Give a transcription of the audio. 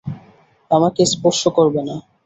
আমাকে স্পর্শ করবে না।